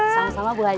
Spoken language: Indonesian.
sama sama bu aja